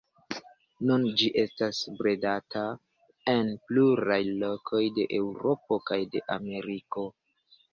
Nun ĝi estas bredata en pluraj lokoj de Eŭropo kaj de Ameriko.